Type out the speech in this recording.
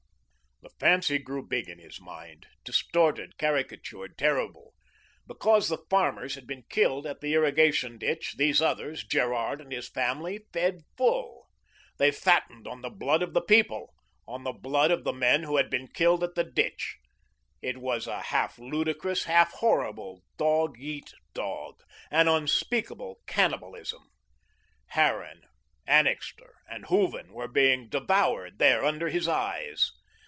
The fancy grew big in his mind, distorted, caricatured, terrible. Because the farmers had been killed at the irrigation ditch, these others, Gerard and his family, fed full. They fattened on the blood of the People, on the blood of the men who had been killed at the ditch. It was a half ludicrous, half horrible "dog eat dog," an unspeakable cannibalism. Harran, Annixter, and Hooven were being devoured there under his eyes.